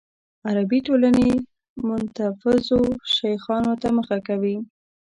عربي ټولنې متنفذو شیخانو ته مخه کوي.